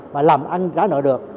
và làm ăn trả nợ được